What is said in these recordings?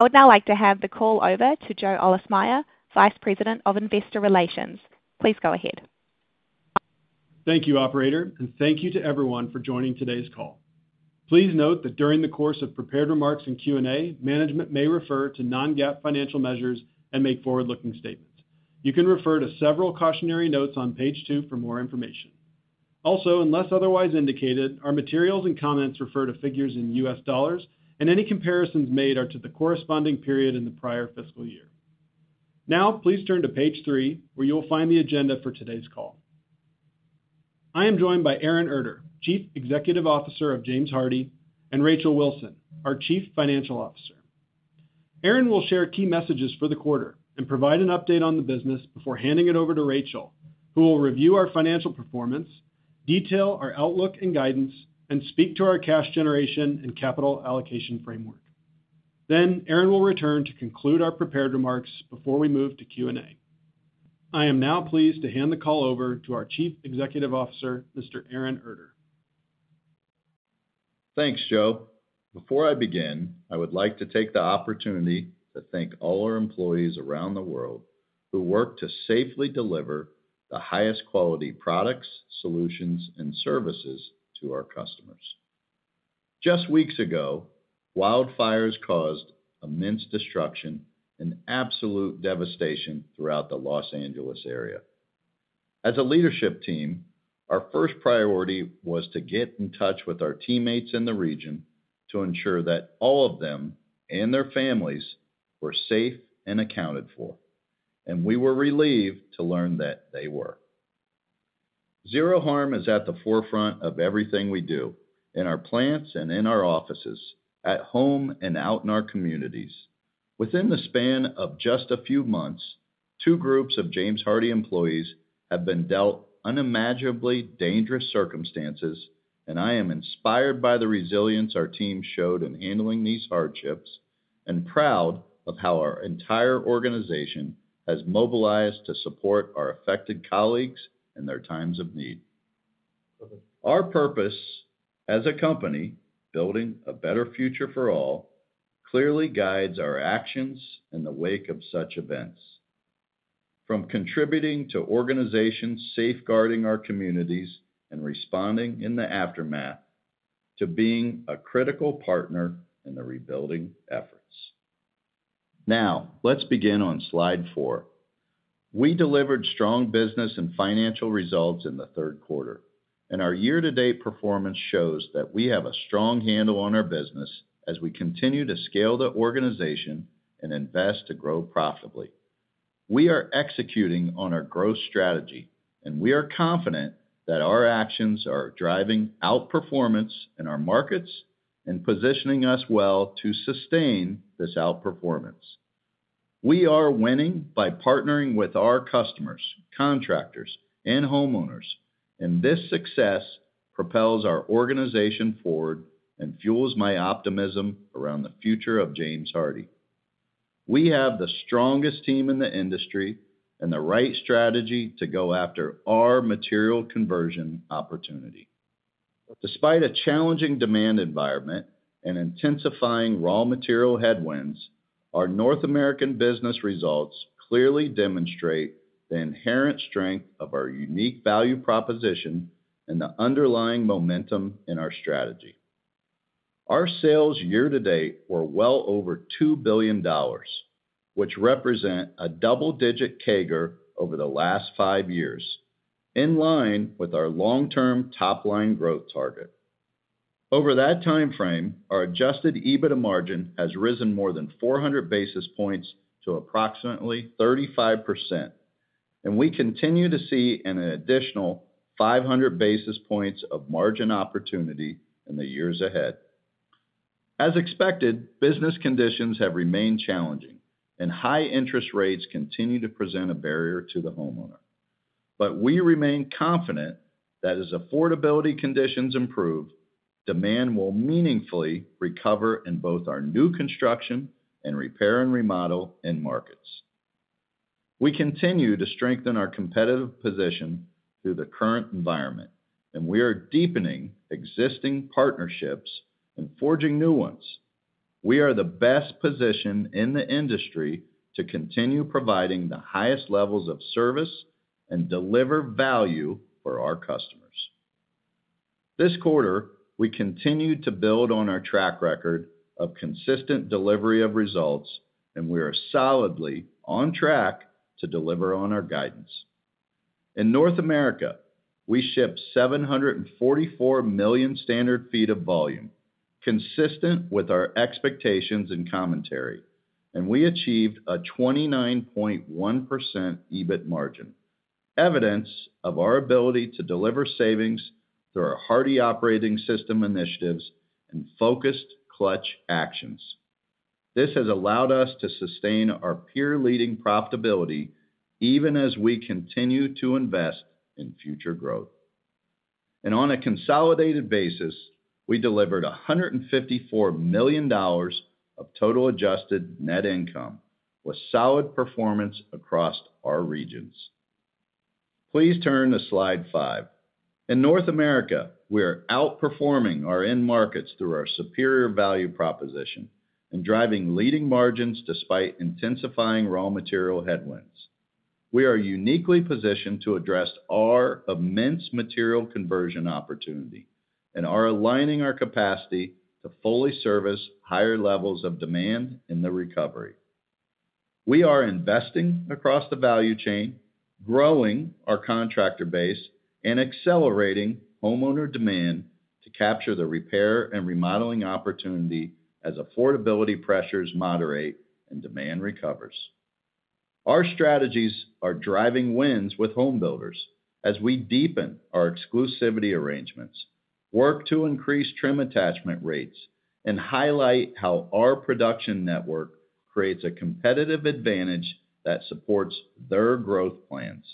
I would now like to hand the call over to Joe Ahlersmeyer, Vice President of Investor Relations. Please go ahead. Thank you, Operator, and thank you to everyone for joining today's call. Please note that during the course of prepared remarks and Q&A, management may refer to non-GAAP financial measures and make forward-looking statements. You can refer to several cautionary notes on page two for more information. Also, unless otherwise indicated, our materials and comments refer to figures in U.S. dollars, and any comparisons made are to the corresponding period in the prior fiscal year. Now, please turn to page three, where you will find the agenda for today's call. I am joined by Aaron Erter, Chief Executive Officer of James Hardie, and Rachel Wilson, our Chief Financial Officer. Aaron will share key messages for the quarter and provide an update on the business before handing it over to Rachel, who will review our financial performance, detail our outlook and guidance, and speak to our cash generation and capital allocation framework. Then, Aaron will return to conclude our prepared remarks before we move to Q&A. I am now pleased to hand the call over to our Chief Executive Officer, Mr. Aaron Erter. Thanks, Joe. Before I begin, I would like to take the opportunity to thank all our employees around the world who work to safely deliver the highest quality products, solutions, and services to our customers. Just weeks ago, wildfires caused immense destruction and absolute devastation throughout the Los Angeles area. As a leadership team, our first priority was to get in touch with our teammates in the region to ensure that all of them and their families were safe and accounted for, and we were relieved to learn that they were. Zero Harm is at the forefront of everything we do in our plants and in our offices, at home and out in our communities. Within the span of just a few months, two groups of James Hardie employees have been dealt unimaginably dangerous circumstances, and I am inspired by the resilience our team showed in handling these hardships and proud of how our entire organization has mobilized to support our affected colleagues in their times of need. Our purpose as a company, building a better future for all, clearly guides our actions in the wake of such events, from contributing to organizations safeguarding our communities and responding in the aftermath to being a critical partner in the rebuilding efforts. Now, let's begin on slide four. We delivered strong business and financial results in the third quarter, and our year-to-date performance shows that we have a strong handle on our business as we continue to scale the organization and invest to grow profitably. We are executing on our growth strategy, and we are confident that our actions are driving outperformance in our markets and positioning us well to sustain this outperformance. We are winning by partnering with our customers, contractors, and homeowners, and this success propels our organization forward and fuels my optimism around the future of James Hardie. We have the strongest team in the industry and the right strategy to go after our material conversion opportunity. Despite a challenging demand environment and intensifying raw material headwinds, our North American business results clearly demonstrate the inherent strength of our unique value proposition and the underlying momentum in our strategy. Our sales year-to-date were well over $2 billion, which represents a double-digit CAGR over the last five years, in line with our long-term top-line growth target. Over that time frame, our Adjusted EBITDA margin has risen more than 400 basis points to approximately 35%, and we continue to see an additional 500 basis points of margin opportunity in the years ahead. As expected, business conditions have remained challenging, and high interest rates continue to present a barrier to the homeowner, but we remain confident that as affordability conditions improve, demand will meaningfully recover in both our new construction and repair and remodel markets. We continue to strengthen our competitive position through the current environment, and we are deepening existing partnerships and forging new ones. We are the best position in the industry to continue providing the highest levels of service and deliver value for our customers. This quarter, we continue to build on our track record of consistent delivery of results, and we are solidly on track to deliver on our guidance. In North America, we shipped 744 million square feet of volume, consistent with our expectations and commentary, and we achieved a 29.1% EBIT margin, evidence of our ability to deliver savings through our Hardie Operating System initiatives and focused cost actions. This has allowed us to sustain our peer-leading profitability even as we continue to invest in future growth, and on a consolidated basis, we delivered $154 million of total adjusted net income with solid performance across our regions. Please turn to slide five. In North America, we are outperforming our end markets through our superior value proposition and driving leading margins despite intensifying raw material headwinds. We are uniquely positioned to address our immense material conversion opportunity and are aligning our capacity to fully service higher levels of demand in the recovery. We are investing across the value chain, growing our contractor base, and accelerating homeowner demand to capture the repair and remodeling opportunity as affordability pressures moderate and demand recovers. Our strategies are driving wins with homebuilders as we deepen our exclusivity arrangements, work to increase trim attachment rates, and highlight how our production network creates a competitive advantage that supports their growth plans.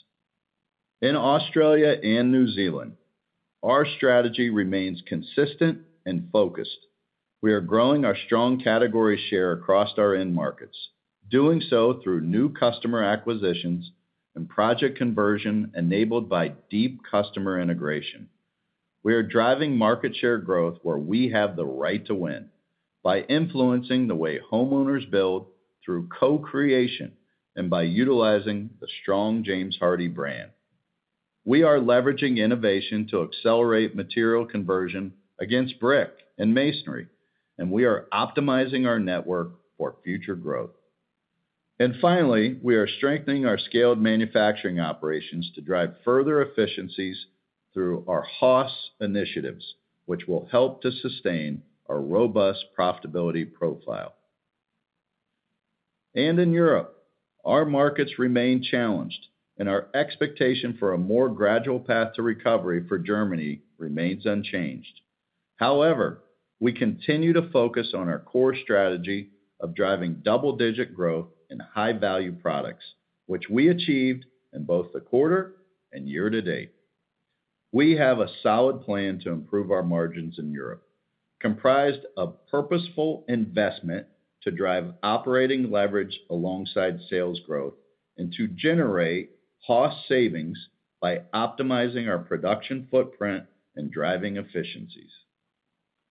In Australia and New Zealand, our strategy remains consistent and focused. We are growing our strong category share across our end markets, doing so through new customer acquisitions and project conversion enabled by deep customer integration. We are driving market share growth where we have the right to win by influencing the way homeowners build through co-creation and by utilizing the strong James Hardie brand. We are leveraging innovation to accelerate material conversion against brick and masonry, and we are optimizing our network for future growth. Finally, we are strengthening our scaled manufacturing operations to drive further efficiencies through our HOS initiatives, which will help to sustain our robust profitability profile. In Europe, our markets remain challenged, and our expectation for a more gradual path to recovery for Germany remains unchanged. However, we continue to focus on our core strategy of driving double-digit growth in high-value products, which we achieved in both the quarter and year-to-date. We have a solid plan to improve our margins in Europe, comprised of purposeful investment to drive operating leverage alongside sales growth and to generate HOS savings by optimizing our production footprint and driving efficiencies.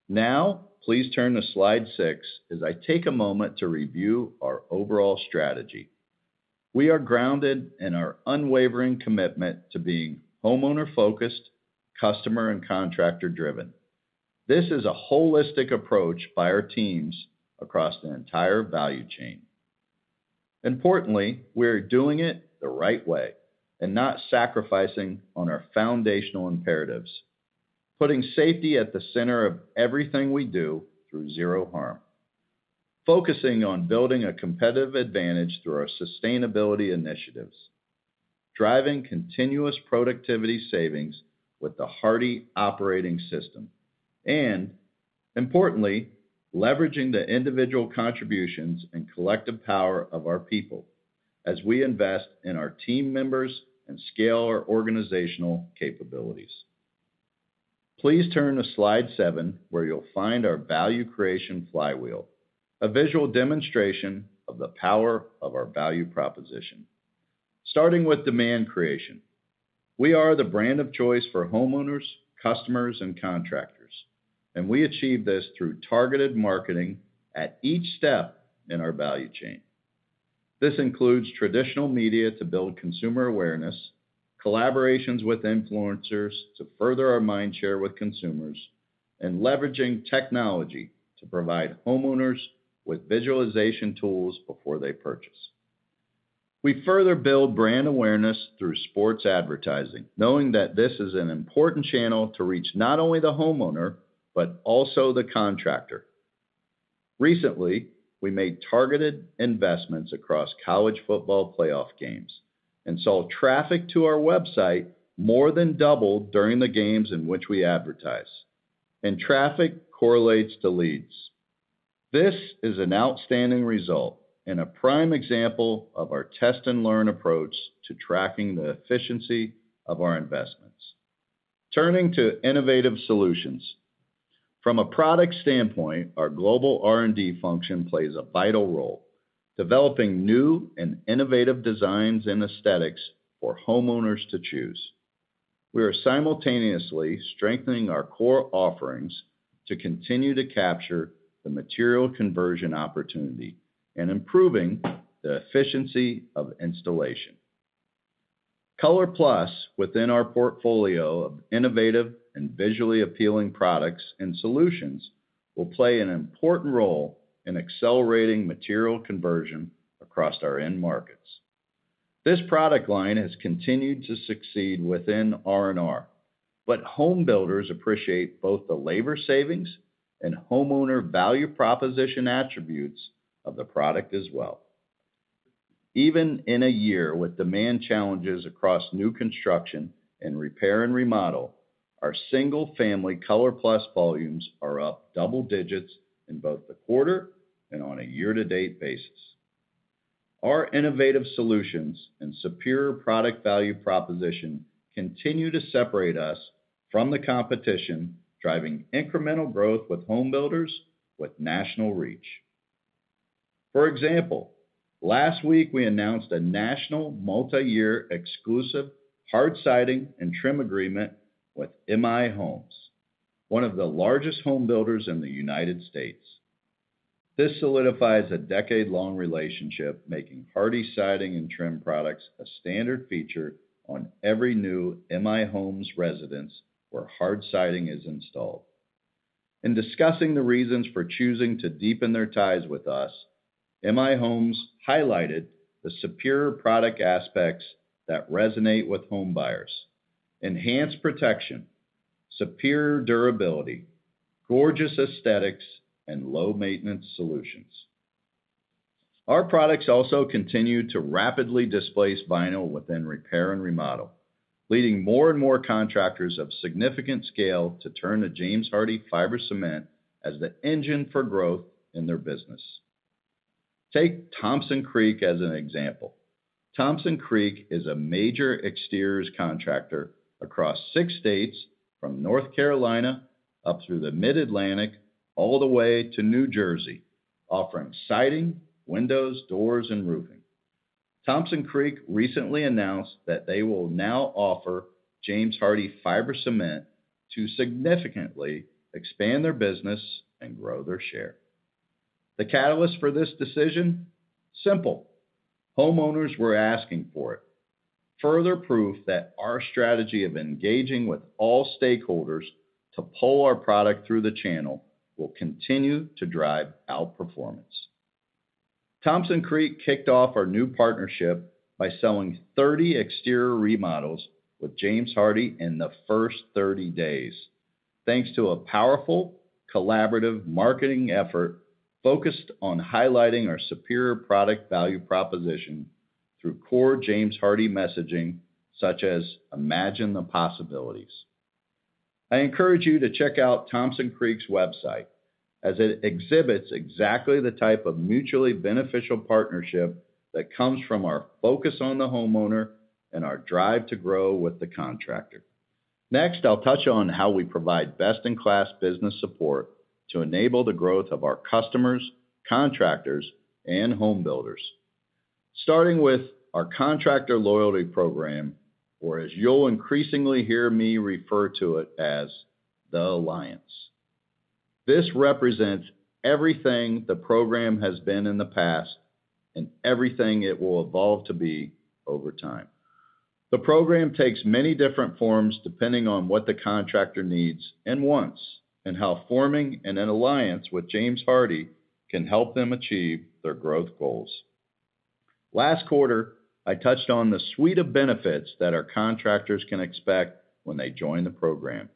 Now, please turn to slide six as I take a moment to review our overall strategy. We are grounded in our unwavering commitment to being homeowner-focused, customer and contractor-driven. This is a holistic approach by our teams across the entire value chain. Importantly, we are doing it the right way and not sacrificing on our foundational imperatives, putting safety at the center of everything we do through Zero Harm, focusing on building a competitive advantage through our sustainability initiatives, driving continuous productivity savings with the Hardie Operating System, and importantly, leveraging the individual contributions and collective power of our people as we invest in our team members and scale our organizational capabilities. Please turn to slide seven, where you'll find our value creation flywheel, a visual demonstration of the power of our value proposition. Starting with demand creation, we are the brand of choice for homeowners, customers, and contractors, and we achieve this through targeted marketing at each step in our value chain. This includes traditional media to build consumer awareness, collaborations with influencers to further our mind share with consumers, and leveraging technology to provide homeowners with visualization tools before they purchase. We further build brand awareness through sports advertising, knowing that this is an important channel to reach not only the homeowner but also the contractor. Recently, we made targeted investments across college football playoff games and saw traffic to our website more than double during the games in which we advertise, and traffic correlates to leads. This is an outstanding result and a prime example of our test-and-learn approach to tracking the efficiency of our investments. Turning to innovative solutions, from a product standpoint, our global R&D function plays a vital role, developing new and innovative designs and aesthetics for homeowners to choose. We are simultaneously strengthening our core offerings to continue to capture the material conversion opportunity and improving the efficiency of installation. ColorPlus, within our portfolio of innovative and visually appealing products and solutions, will play an important role in accelerating material conversion across our end markets. This product line has continued to succeed within R&R, but homebuilders appreciate both the labor savings and homeowner value proposition attributes of the product as well. Even in a year with demand challenges across new construction and repair and remodel, our single-family ColorPlus volumes are up double digits in both the quarter and on a year-to-date basis. Our innovative solutions and superior product value proposition continue to separate us from the competition, driving incremental growth with homebuilders with national reach. For example, last week, we announced a national multi-year exclusive hard siding and trim agreement with M/I Homes, one of the largest homebuilders in the United States. This solidifies a decade-long relationship, making Hardie siding and trim products a standard feature on every new M/I Homes residence where hard siding is installed. In discussing the reasons for choosing to deepen their ties with us, M/I Homes highlighted the superior product aspects that resonate with home buyers: enhanced protection, superior durability, gorgeous aesthetics, and low-maintenance solutions. Our products also continue to rapidly displace vinyl within repair and remodel, leading more and more contractors of significant scale to turn to James Hardie fiber cement as the engine for growth in their business. Take Thompson Creek as an example. Thompson Creek is a major exteriors contractor across six states, from North Carolina up through the Mid-Atlantic all the way to New Jersey, offering siding, windows, doors, and roofing. Thompson Creek recently announced that they will now offer James Hardie fiber cement to significantly expand their business and grow their share. The catalyst for this decision? Simple. Homeowners were asking for it. Further proof that our strategy of engaging with all stakeholders to pull our product through the channel will continue to drive outperformance. Thompson Creek kicked off our new partnership by selling 30 exterior remodels with James Hardie in the first 30 days, thanks to a powerful, collaborative marketing effort focused on highlighting our superior product value proposition through core James Hardie messaging such as "Imagine the Possibilities." I encourage you to check out Thompson Creek's website as it exhibits exactly the type of mutually beneficial partnership that comes from our focus on the homeowner and our drive to grow with the contractor. Next, I'll touch on how we provide best-in-class business support to enable the growth of our customers, contractors, and homebuilders, starting with our Contractor Loyalty Program, or as you'll increasingly hear me refer to it as the ALLIANCE. This represents everything the program has been in the past and everything it will evolve to be over time. The program takes many different forms depending on what the contractor needs and wants and how forming an alliance with James Hardie can help them achieve their growth goals. Last quarter, I touched on the suite of benefits that our contractors can expect when they join the program,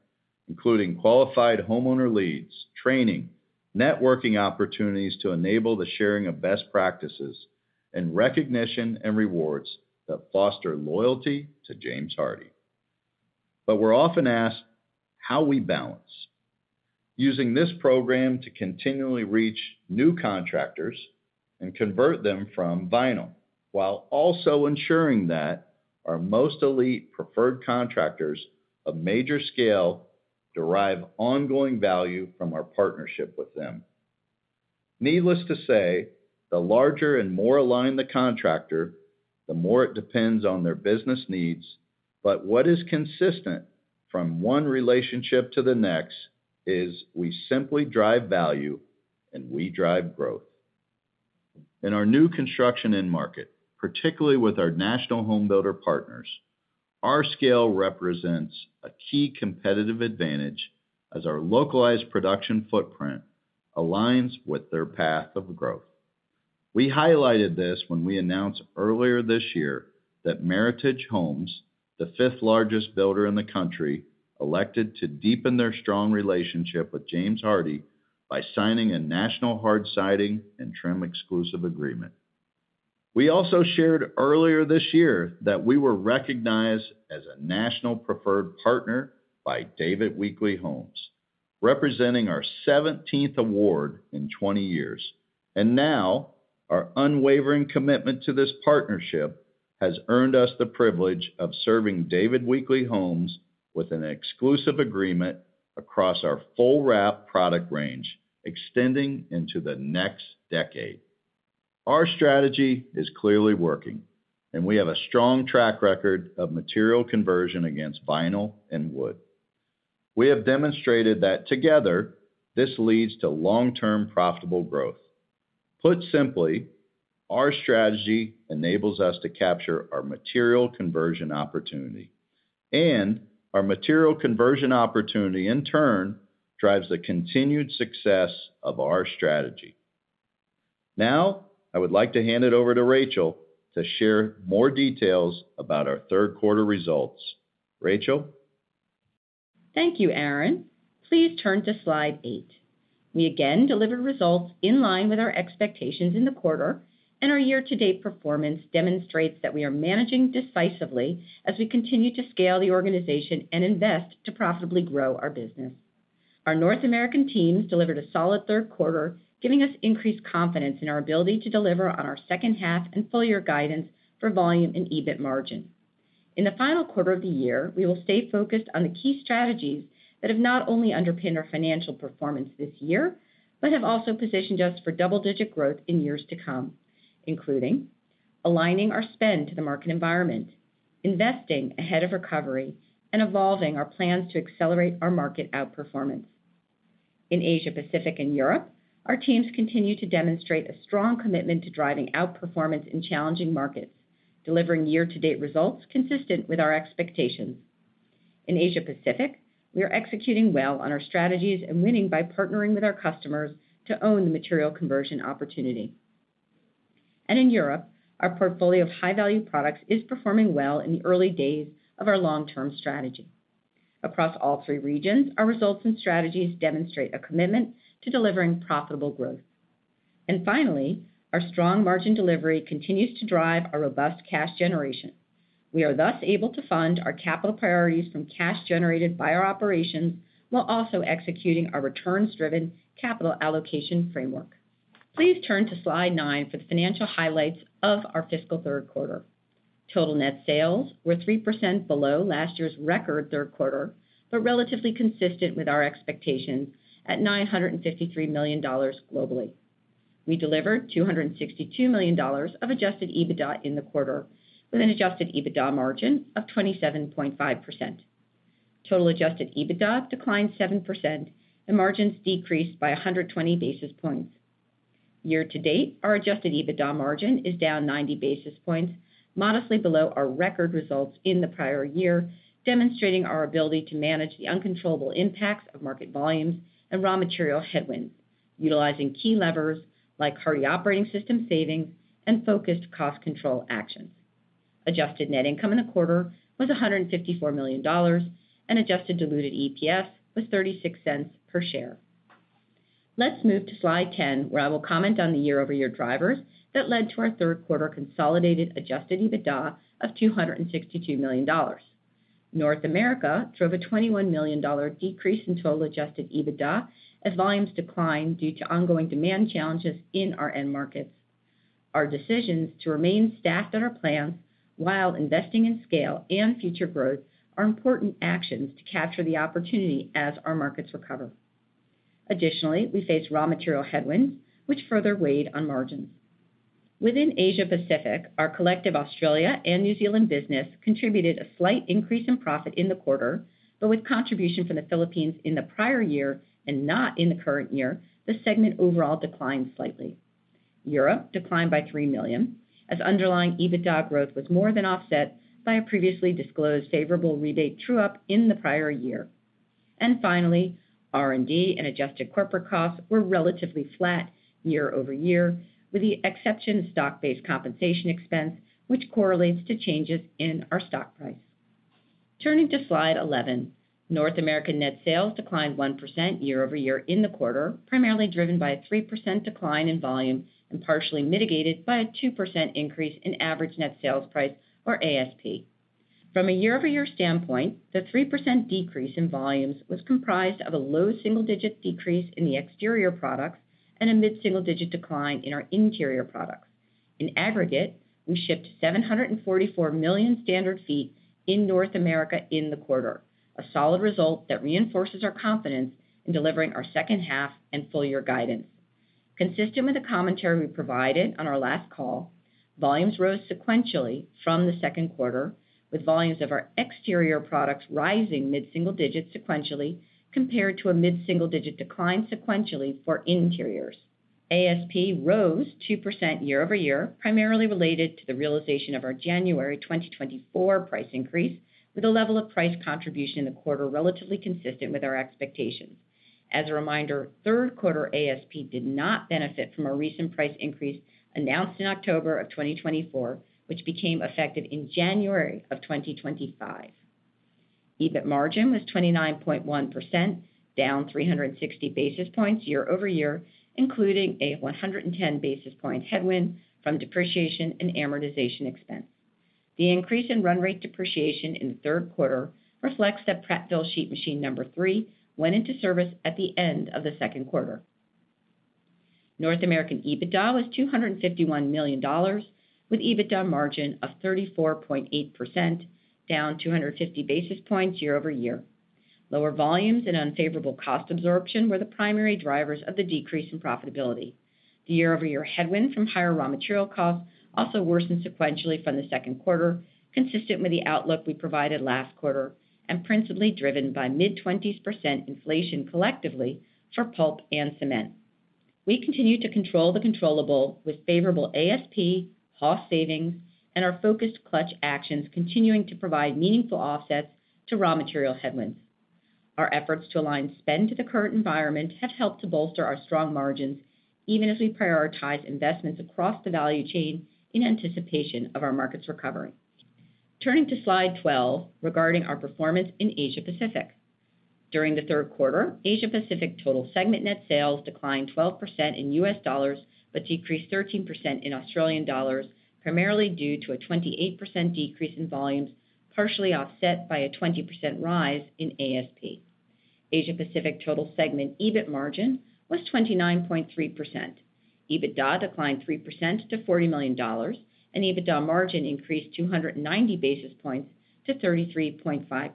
including qualified homeowner leads, training, networking opportunities to enable the sharing of best practices, and recognition and rewards that foster loyalty to James Hardie. But we're often asked how we balance using this program to continually reach new contractors and convert them from vinyl, while also ensuring that our most elite preferred contractors of major scale derive ongoing value from our partnership with them. Needless to say, the larger and more aligned the contractor, the more it depends on their business needs, but what is consistent from one relationship to the next is we simply drive value and we drive growth. In our new construction end market, particularly with our national homebuilder partners, our scale represents a key competitive advantage as our localized production footprint aligns with their path of growth. We highlighted this when we announced earlier this year that Meritage Homes, the fifth largest builder in the country, elected to deepen their strong relationship with James Hardie by signing a national Hardie siding and trim exclusive agreement. We also shared earlier this year that we were recognized as a national preferred partner by David Weekley Homes, representing our 17th award in 20 years, and now, our unwavering commitment to this partnership has earned us the privilege of serving David Weekley Homes with an exclusive agreement across our full wrap product range extending into the next decade. Our strategy is clearly working, and we have a strong track record of material conversion against vinyl and wood. We have demonstrated that together, this leads to long-term profitable growth. Put simply, our strategy enables us to capture our material conversion opportunity, and our material conversion opportunity, in turn, drives the continued success of our strategy. Now, I would like to hand it over to Rachel to share more details about our third quarter results. Rachel? Thank you, Aaron. Please turn to slide eight. We again delivered results in line with our expectations in the quarter, and our year-to-date performance demonstrates that we are managing decisively as we continue to scale the organization and invest to profitably grow our business. Our North American teams delivered a solid third quarter, giving us increased confidence in our ability to deliver on our second half and full-year guidance for volume and EBIT margin. In the final quarter of the year, we will stay focused on the key strategies that have not only underpinned our financial performance this year but have also positioned us for double-digit growth in years to come, including aligning our spend to the market environment, investing ahead of recovery, and evolving our plans to accelerate our market outperformance. In Asia-Pacific and Europe, our teams continue to demonstrate a strong commitment to driving outperformance in challenging markets, delivering year-to-date results consistent with our expectations. In Asia-Pacific, we are executing well on our strategies and winning by partnering with our customers to own the material conversion opportunity. And in Europe, our portfolio of high-value products is performing well in the early days of our long-term strategy. Across all three regions, our results and strategies demonstrate a commitment to delivering profitable growth. Finally, our strong margin delivery continues to drive our robust cash generation. We are thus able to fund our capital priorities from cash generated by our operations while also executing our returns-driven capital allocation framework. Please turn to slide nine for the financial highlights of our fiscal third quarter. Total net sales were 3% below last year's record third quarter but relatively consistent with our expectations at $953 million globally. We delivered $262 million of adjusted EBITDA in the quarter with an adjusted EBITDA margin of 27.5%. Total adjusted EBITDA declined 7%, and margins decreased by 120 basis points. Year-to-date, our adjusted EBITDA margin is down 90 basis points, modestly below our record results in the prior year, demonstrating our ability to manage the uncontrollable impacts of market volumes and raw material headwinds utilizing key levers like Hardie Operating System savings and focused cost control actions. Adjusted Net Income in the quarter was $154 million, and adjusted diluted EPS was $0.36 per share. Let's move to slide 10, where I will comment on the year-over-year drivers that led to our third quarter consolidated Adjusted EBITDA of $262 million. North America drove a $21 million decrease in total Adjusted EBITDA as volumes declined due to ongoing demand challenges in our end markets. Our decisions to remain staffed at our plants while investing in scale and future growth are important actions to capture the opportunity as our markets recover. Additionally, we faced raw material headwinds, which further weighed on margins. Within Asia Pacific, our collective Australia and New Zealand business contributed a slight increase in profit in the quarter, but with contribution from the Philippines in the prior year and not in the current year, the segment overall declined slightly. Europe declined by 3 million as underlying EBITDA growth was more than offset by a previously disclosed favorable rebate true-up in the prior year. And finally, R&D and adjusted corporate costs were relatively flat year-over-year, with the exception of stock-based compensation expense, which correlates to changes in our stock price. Turning to slide 11, North American net sales declined 1% year-over-year in the quarter, primarily driven by a 3% decline in volume and partially mitigated by a 2% increase in average net sales price, or ASP. From a year-over-year standpoint, the 3% decrease in volumes was comprised of a low single-digit decrease in the exterior products and a mid-single-digit decline in our interior products. In aggregate, we shipped 744 million standard feet in North America in the quarter, a solid result that reinforces our confidence in delivering our second half and full-year guidance. Consistent with the commentary we provided on our last call, volumes rose sequentially from the second quarter, with volumes of our exterior products rising mid-single digits sequentially compared to a mid-single digit decline sequentially for interiors. ASP rose 2% year-over-year, primarily related to the realization of our January 2024 price increase, with a level of price contribution in the quarter relatively consistent with our expectations. As a reminder, third quarter ASP did not benefit from a recent price increase announced in October of 2024, which became effective in January of 2025. EBIT margin was 29.1%, down 360 basis points year-over-year, including a 110 basis point headwind from depreciation and amortization expense. The increase in run rate depreciation in the third quarter reflects that Prattville Sheet Machine 3 went into service at the end of the second quarter. North American EBITDA was $251 million, with EBITDA margin of 34.8%, down 250 basis points year-over-year. Lower volumes and unfavorable cost absorption were the primary drivers of the decrease in profitability. The year-over-year headwind from higher raw material costs also worsened sequentially from the second quarter, consistent with the outlook we provided last quarter and principally driven by mid-20% inflation collectively for pulp and cement. We continue to control the controllable with favorable ASP, cost savings, and our focused clutch actions continuing to provide meaningful offsets to raw material headwinds. Our efforts to align spend to the current environment have helped to bolster our strong margins, even as we prioritize investments across the value chain in anticipation of our markets recovering. Turning to slide 12 regarding our performance in Asia-Pacific. During the third quarter, Asia-Pacific total segment net sales declined 12% in U.S. dollars but decreased 13% in Australian dollars, primarily due to a 28% decrease in volumes, partially offset by a 20% rise in ASP. Asia-Pacific total segment EBIT margin was 29.3%. EBITDA declined 3% to $40 million, and EBITDA margin increased 290 basis points to 33.5%.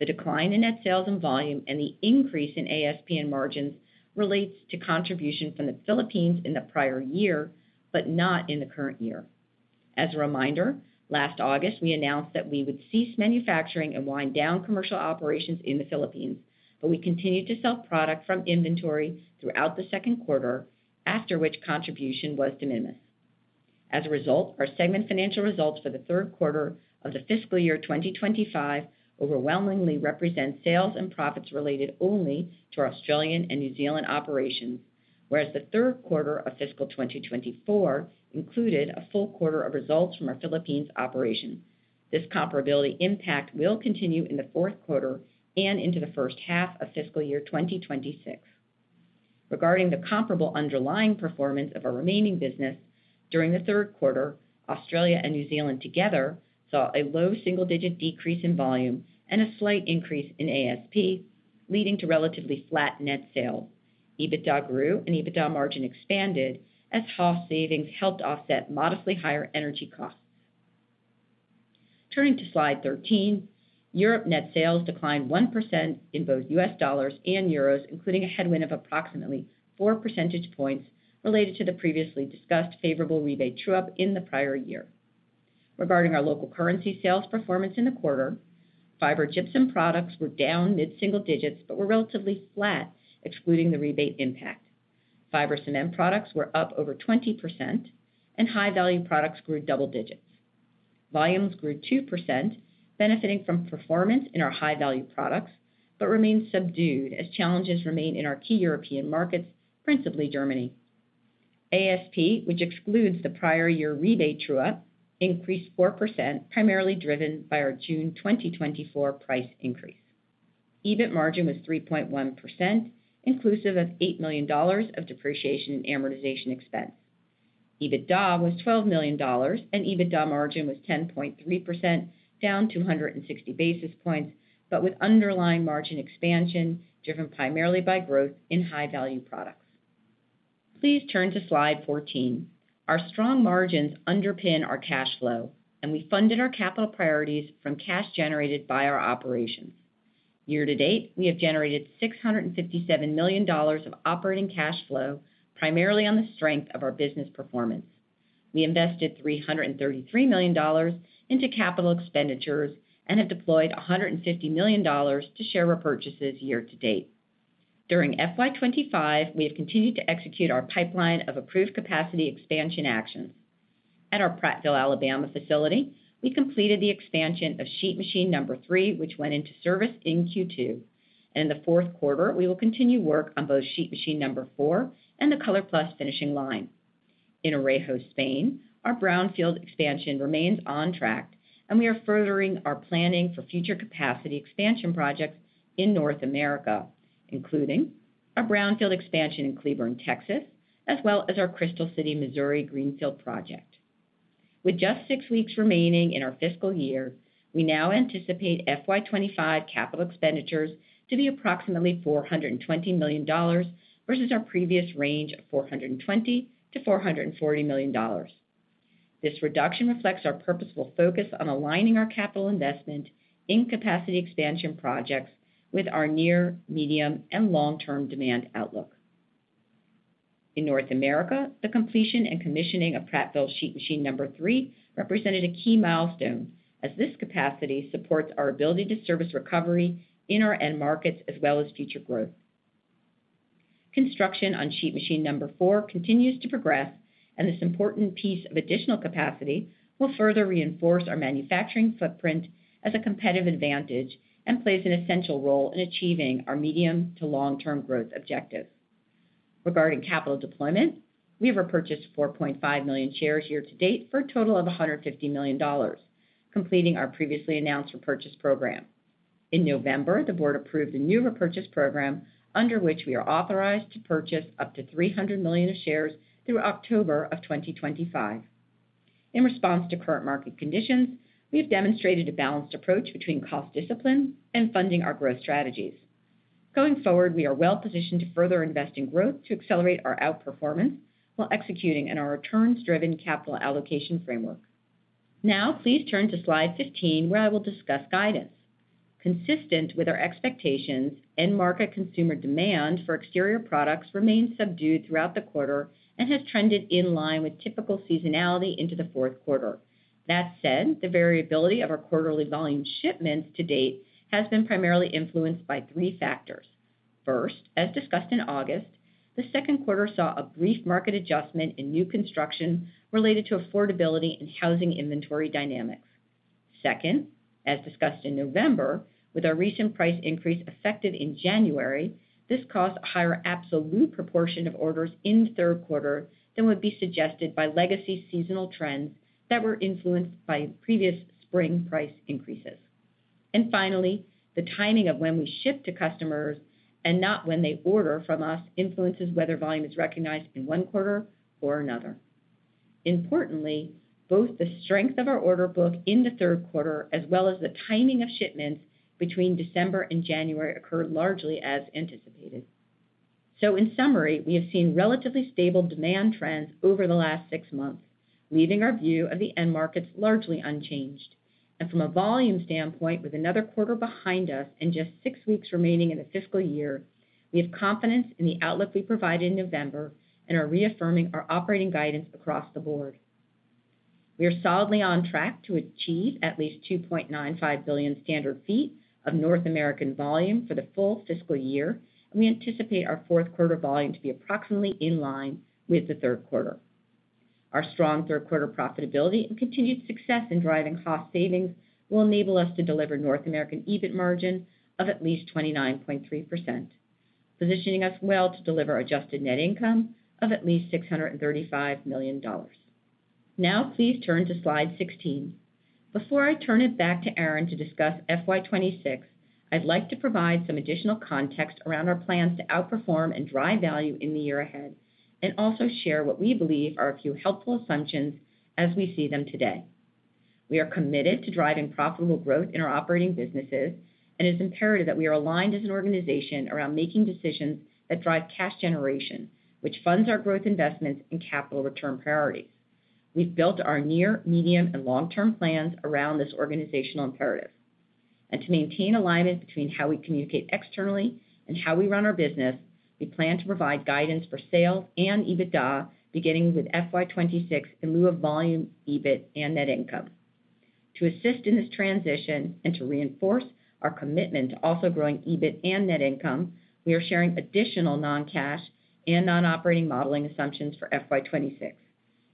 The decline in net sales and volume and the increase in ASP and margins relates to contribution from the Philippines in the prior year but not in the current year. As a reminder, last August, we announced that we would cease manufacturing and wind down commercial operations in the Philippines, but we continued to sell product from inventory throughout the second quarter, after which contribution was diminished. As a result, our segment financial results for the third quarter of the fiscal year 2025 overwhelmingly represent sales and profits related only to our Australian and New Zealand operations, whereas the third quarter of fiscal 2024 included a full quarter of results from our Philippines operations. This comparability impact will continue in the fourth quarter and into the first half of fiscal year 2026. Regarding the comparable underlying performance of our remaining business, during the third quarter, Australia and New Zealand together saw a low single-digit decrease in volume and a slight increase in ASP, leading to relatively flat net sales. EBITDA grew and EBITDA margin expanded as cost savings helped offset modestly higher energy costs. Turning to slide 13, Europe net sales declined 1% in both U.S. dollars and euros, including a headwind of approximately 4 percentage points related to the previously discussed favorable rebate true-up in the prior year. Regarding our local currency sales performance in the quarter, fiber gypsum products were down mid-single digits but were relatively flat, excluding the rebate impact. Fiber cement products were up over 20%, and high-value products grew double digits. Volumes grew 2%, benefiting from performance in our high-value products but remained subdued as challenges remain in our key European markets, principally Germany. ASP, which excludes the prior year rebate true-up, increased 4%, primarily driven by our June 2024 price increase. EBIT margin was 3.1%, inclusive of $8 million of depreciation and amortization expense. EBITDA was $12 million, and EBITDA margin was 10.3%, down 260 basis points but with underlying margin expansion driven primarily by growth in high-value products. Please turn to slide 14. Our strong margins underpin our cash flow, and we funded our capital priorities from cash generated by our operations. Year-to-date, we have generated $657 million of operating cash flow, primarily on the strength of our business performance. We invested $333 million into capital expenditures and have deployed $150 million to share purchases year-to-date. During FY 2025, we have continued to execute our pipeline of approved capacity expansion actions. At our Prattville, Alabama, facility, we completed the expansion of Sheet Machine 3, which went into service in Q2, and in the fourth quarter, we will continue work on both Sheet Machine 4 and the ColorPlus finishing line. In Orejo, Spain, our brownfield expansion remains on track, and we are furthering our planning for future capacity expansion projects in North America, including our brownfield expansion in Cleburne, Texas, as well as our Crystal City, Missouri, greenfield project. With just six weeks remaining in our fiscal year, we now anticipate FY 2025 capital expenditures to be approximately $420 million versus our previous range of $420 million-$440 million. This reduction reflects our purposeful focus on aligning our capital investment in capacity expansion projects with our near, medium, and long-term demand outlook. In North America, the completion and commissioning of Prattville Sheet Machine 3 represented a key milestone as this capacity supports our ability to service recovery in our end markets as well as future growth. Construction on Sheet Machine 4 continues to progress, and this important piece of additional capacity will further reinforce our manufacturing footprint as a competitive advantage and plays an essential role in achieving our medium to long-term growth objectives. Regarding capital deployment, we have repurchased 4.5 million shares year-to-date for a total of $150 million, completing our previously announced repurchase program. In November, the board approved a new repurchase program under which we are authorized to purchase up to 300 million shares through October of 2025. In response to current market conditions, we have demonstrated a balanced approach between cost discipline and funding our growth strategies. Going forward, we are well-positioned to further invest in growth to accelerate our outperformance while executing in our returns-driven capital allocation framework. Now, please turn to slide 15, where I will discuss guidance. Consistent with our expectations, end market consumer demand for exterior products remained subdued throughout the quarter and has trended in line with typical seasonality into the fourth quarter. That said, the variability of our quarterly volume shipments to date has been primarily influenced by three factors. First, as discussed in August, the second quarter saw a brief market adjustment in new construction related to affordability and housing inventory dynamics. Second, as discussed in November, with our recent price increase affected in January, this caused a higher absolute proportion of orders in the third quarter than would be suggested by legacy seasonal trends that were influenced by previous spring price increases. And finally, the timing of when we ship to customers and not when they order from us influences whether volume is recognized in one quarter or another. Importantly, both the strength of our order book in the third quarter as well as the timing of shipments between December and January occurred largely as anticipated, so in summary, we have seen relatively stable demand trends over the last six months, leaving our view of the end markets largely unchanged, and from a volume standpoint, with another quarter behind us and just six weeks remaining in the fiscal year, we have confidence in the outlook we provided in November and are reaffirming our operating guidance across the board. We are solidly on track to achieve at least 2.95 billion standard feet of North American volume for the full fiscal year, and we anticipate our fourth quarter volume to be approximately in line with the third quarter. Our strong third quarter profitability and continued success in driving cost savings will enable us to deliver North American EBIT margin of at least 29.3%, positioning us well to deliver adjusted net income of at least $635 million. Now, please turn to slide 16. Before I turn it back to Aaron to discuss FY 2026, I'd like to provide some additional context around our plans to outperform and drive value in the year ahead and also share what we believe are a few helpful assumptions as we see them today. We are committed to driving profitable growth in our operating businesses, and it is imperative that we are aligned as an organization around making decisions that drive cash generation, which funds our growth investments and capital return priorities. We've built our near, medium, and long-term plans around this organizational imperative. To maintain alignment between how we communicate externally and how we run our business, we plan to provide guidance for sales and EBITDA, beginning with FY 2026 in lieu of volume, EBIT, and net income. To assist in this transition and to reinforce our commitment to also growing EBIT and net income, we are sharing additional non-cash and non-operating modeling assumptions for FY 2026.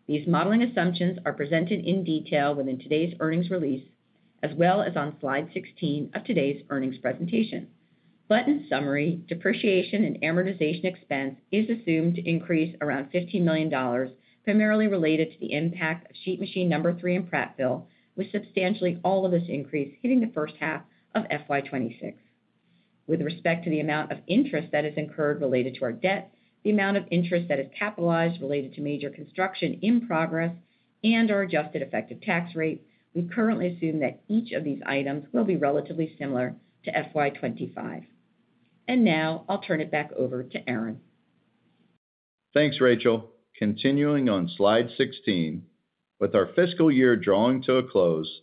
These modeling assumptions are presented in detail within today's earnings release, as well as on slide 16 of today's earnings presentation. In summary, depreciation and amortization expense is assumed to increase around $15 million, primarily related to the impact of Sheet Machine 3 in Prattville, with substantially all of this increase hitting the first half of FY 2026. With respect to the amount of interest that is incurred related to our debt, the amount of interest that is capitalized related to major construction in progress and our adjusted effective tax rate, we currently assume that each of these items will be relatively similar to FY 2025. And now, I'll turn it back over to Aaron. Thanks, Rachel. Continuing on slide 16, with our fiscal year drawing to a close,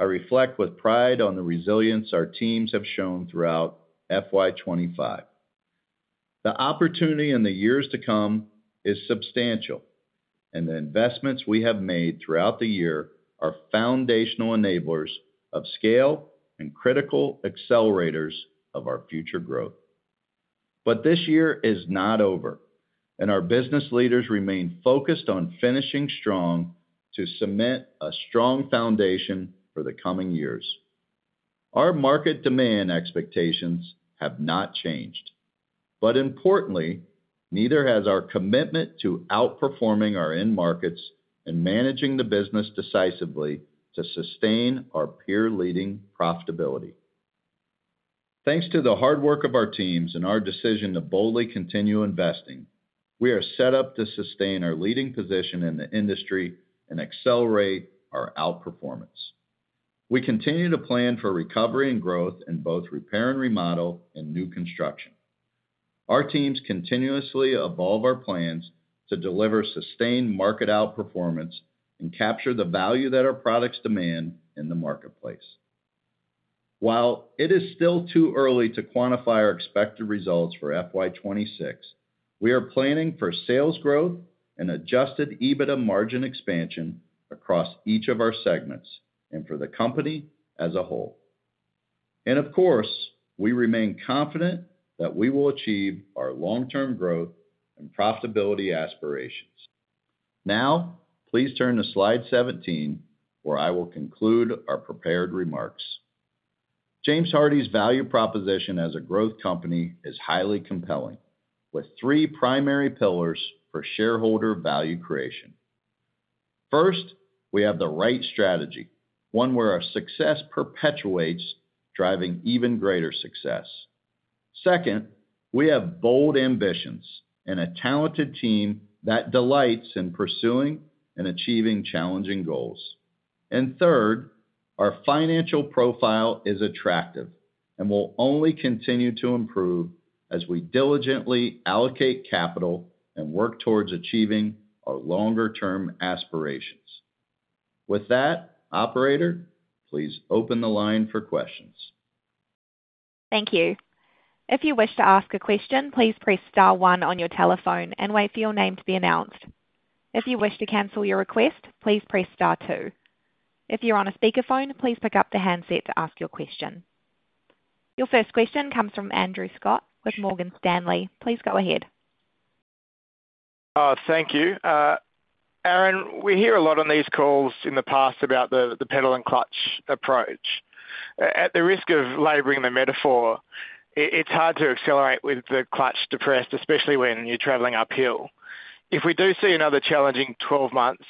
I reflect with pride on the resilience our teams have shown throughout FY 2025. The opportunity in the years to come is substantial, and the investments we have made throughout the year are foundational enablers of scale and critical accelerators of our future growth. But this year is not over, and our business leaders remain focused on finishing strong to cement a strong foundation for the coming years. Our market demand expectations have not changed. But importantly, neither has our commitment to outperforming our end markets and managing the business decisively to sustain our peer-leading profitability. Thanks to the hard work of our teams and our decision to boldly continue investing, we are set up to sustain our leading position in the industry and accelerate our outperformance. We continue to plan for recovery and growth in both repair and remodel and new construction. Our teams continuously evolve our plans to deliver sustained market outperformance and capture the value that our products demand in the marketplace. While it is still too early to quantify our expected results for FY 2026, we are planning for sales growth and Adjusted EBITDA margin expansion across each of our segments and for the company as a whole. And of course, we remain confident that we will achieve our long-term growth and profitability aspirations. Now, please turn to slide 17, where I will conclude our prepared remarks. James Hardie's value proposition as a growth company is highly compelling, with three primary pillars for shareholder value creation. First, we have the right strategy, one where our success perpetuates, driving even greater success. Second, we have bold ambitions and a talented team that delights in pursuing and achieving challenging goals. And third, our financial profile is attractive and will only continue to improve as we diligently allocate capital and work towards achieving our longer-term aspirations. With that, Operator, please open the line for questions. Thank you. If you wish to ask a question, please press star one on your telephone and wait for your name to be announced. If you wish to cancel your request, please press star two. If you're on a speakerphone, please pick up the handset to ask your question. Your first question comes from Andrew Scott with Morgan Stanley. Please go ahead. Thank you. Aaron, we hear a lot on these calls in the past about the pedal-and-clutch approach. At the risk of laboring the metaphor, it's hard to accelerate with the clutch depressed, especially when you're traveling uphill. If we do see another challenging 12 months,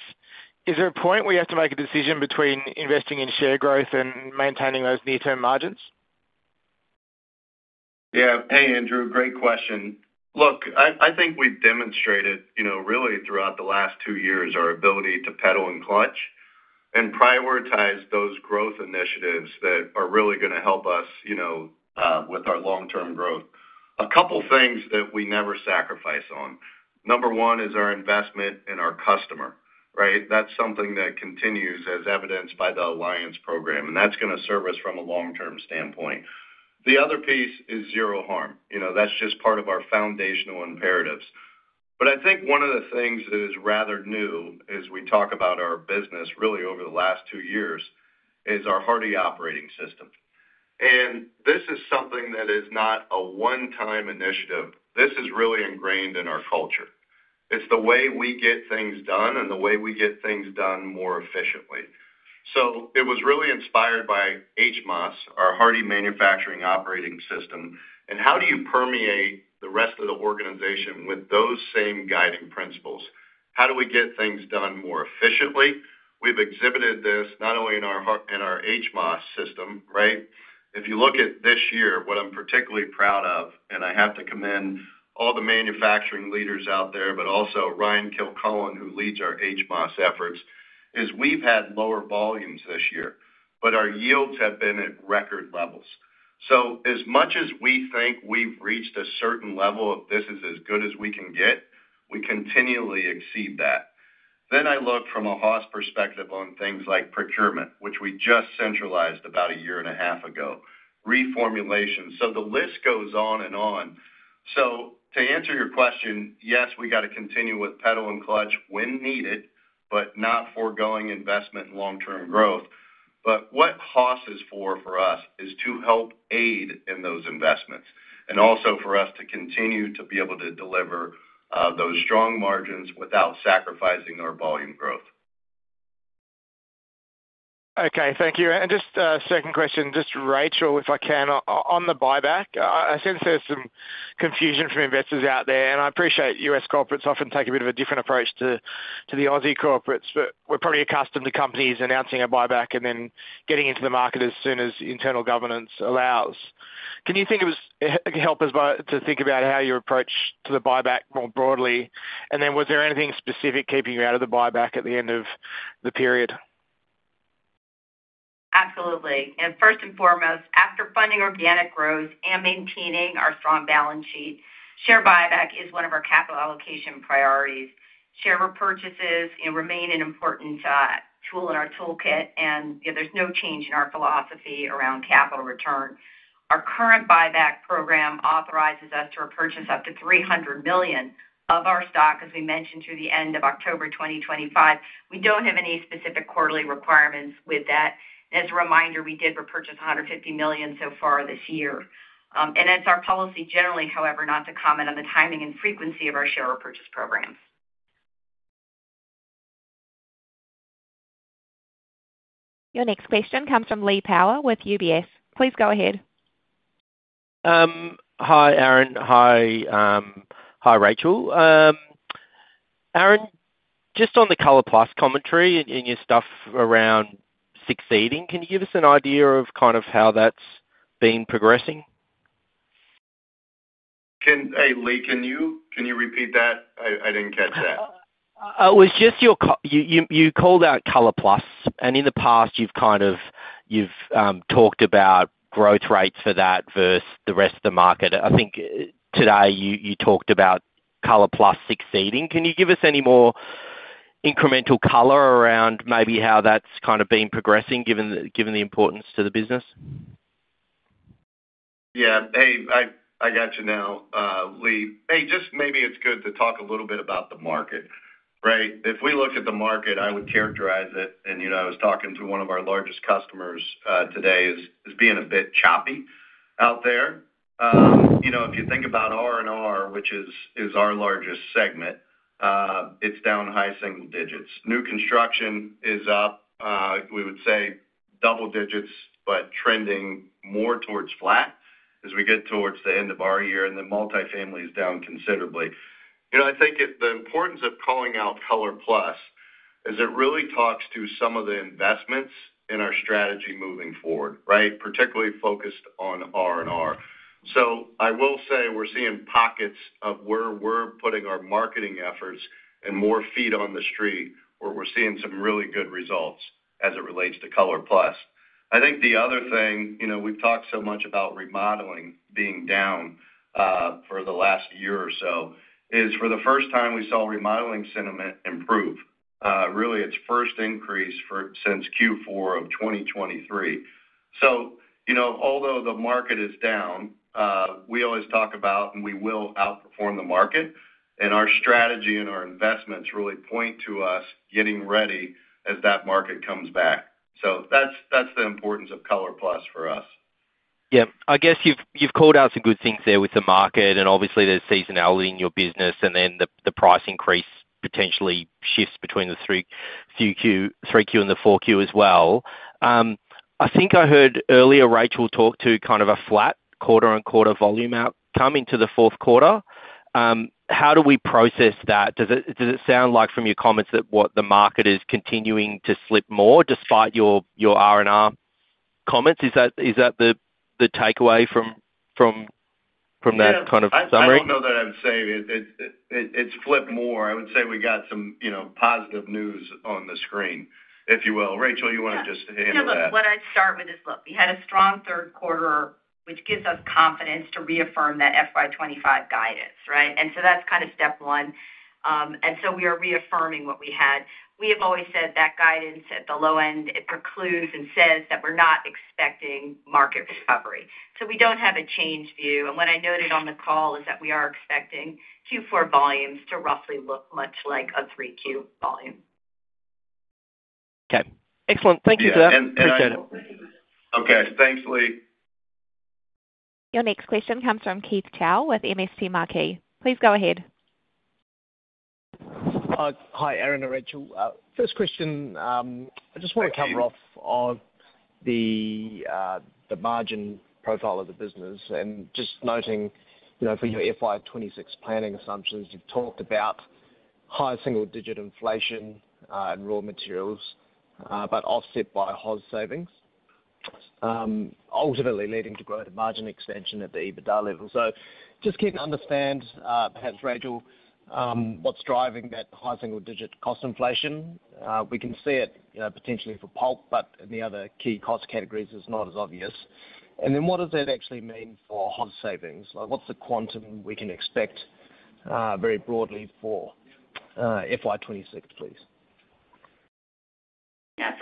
is there a point we have to make a decision between investing in share growth and maintaining those near-term margins? Yeah. Hey, Andrew. Great question. Look, I think we've demonstrated, really, throughout the last two years, our ability to pedal and clutch and prioritize those growth initiatives that are really going to help us with our long-term growth. A couple of things that we never sacrifice on. Number one is our investment in our customer, right? That's something that continues, as evidenced by the ALLIANCE Program, and that's going to serve us from a long-term standpoint. The other piece is Zero Harm. That's just part of our foundational imperatives. But I think one of the things that is rather new as we talk about our business, really, over the last two years, is our Hardie Operating System. And this is something that is not a one-time initiative. This is really ingrained in our culture. It's the way we get things done and the way we get things done more efficiently. So it was really inspired by HMOS, our Hardie Manufacturing Operating System. And how do you permeate the rest of the organization with those same guiding principles? How do we get things done more efficiently? We've exhibited this not only in our HMOS system, right? If you look at this year, what I'm particularly proud of, and I have to commend all the manufacturing leaders out there, but also Ryan Kilcullen, who leads our HMOS efforts, is we've had lower volumes this year, but our yields have been at record levels, so as much as we think we've reached a certain level of, "This is as good as we can get," we continually exceed that, then I look from a HOS perspective on things like procurement, which we just centralized about a year and a half ago, reformulation, so the list goes on and on, so to answer your question, yes, we got to continue with pedal and clutch when needed, but not forgoing investment and long-term growth. But what HOS is for us is to help aid in those investments and also for us to continue to be able to deliver those strong margins without sacrificing our volume growth. Okay. Thank you. And just a second question, just Rachel, if I can, on the buyback. I sense there's some confusion from investors out there, and I appreciate U.S. corporates often take a bit of a different approach to the Aussie corporates, but we're probably accustomed to companies announcing a buyback and then getting into the market as soon as internal governance allows. Can you help us to think about how you approach the buyback more broadly? And then was there anything specific keeping you out of the buyback at the end of the period? Absolutely. First and foremost, after funding organic growth and maintaining our strong balance sheet, share buyback is one of our capital allocation priorities. Share repurchases remain an important tool in our toolkit, and there's no change in our philosophy around capital return. Our current buyback program authorizes us to repurchase up to 300 million of our stock, as we mentioned, through the end of October 2025. We don't have any specific quarterly requirements with that. As a reminder, we did repurchase 150 million so far this year. That's our policy generally, however, not to comment on the timing and frequency of our share repurchase programs. Your next question comes from Lee Power with UBS. Please go ahead. Hi, Aaron. Hi, Rachel. Aaron, just on the ColorPlus commentary and your stuff around succeeding, can you give us an idea of kind of how that's been progressing? Hey, Lee, can you repeat that? I didn't catch that. It was just you called out ColorPlus, and in the past, you've talked about growth rates for that versus the rest of the market. I think today you talked about ColorPlus succeeding. Can you give us any more incremental color around maybe how that's kind of been progressing given the importance to the business? Yeah. Hey, I got you now, Lee. Hey, just maybe it's good to talk a little bit about the market, right? If we look at the market, I would characterize it, and I was talking to one of our largest customers today, as being a bit choppy out there. If you think about R&R, which is our largest segment, it's down high single digits. New construction is up, we would say double digits, but trending more towards flat as we get towards the end of our year, and then multifamily is down considerably. I think the importance of calling out ColorPlus is it really talks to some of the investments in our strategy moving forward, right? Particularly focused on R&R. So I will say we're seeing pockets of where we're putting our marketing efforts and more feet on the street where we're seeing some really good results as it relates to ColorPlus. I think the other thing, we've talked so much about remodeling being down for the last year or so, is for the first time we saw remodeling sentiment improve. Really, it's first increase since Q4 of 2023. So although the market is down, we always talk about, and we will outperform the market, and our strategy and our investments really point to us getting ready as that market comes back. So that's the importance of ColorPlus for us. Yeah. I guess you've called out some good things there with the market, and obviously there's seasonality in your business, and then the price increase potentially shifts between the 3Q and the 4Q as well. I think I heard earlier Rachel talk to kind of a flat quarter-on-quarter volume outcome into the fourth quarter. How do we process that? Does it sound like from your comments that what the market is continuing to slip more despite your R&R comments? Is that the takeaway from that kind of summary? I don't know that I would say it's slipped more. I would say we got some positive news on the screen, if you will. Rachel, you want to just handle that? What I'd start with is look, we had a strong third quarter, which gives us confidence to reaffirm that FY 2025 guidance, right? And so that's kind of step one. And so we are reaffirming what we had. We have always said that guidance at the low end, it precludes and says that we're not expecting market recovery. So we don't have a change view. And what I noted on the call is that we are expecting Q4 volumes to roughly look much like a 3Q volume. Okay. Excellent. Thank you for that. Appreciate it. Okay. Thanks, Lee. Your next question comes from Keith Chau with MST Marquee. Please go ahead. Hi, Aaron and Rachel. First question, I just want to cover off the margin profile of the business and just noting for your FY 2026 planning assumptions, you've talked about high single-digit inflation and raw materials, but offset by HOS savings, ultimately leading to growth and margin extension at the EBITDA level. So just to understand, perhaps Rachel, what's driving that high single-digit cost inflation. We can see it potentially for pulp, but in the other key cost categories, it's not as obvious. And then what does that actually mean for HOS savings? What's the quantum we can expect very broadly for FY 2026, please?